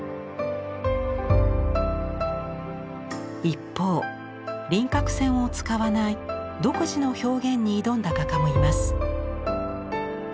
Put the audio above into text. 一方輪郭線を使わない独自の表現に挑んだ画家もいます。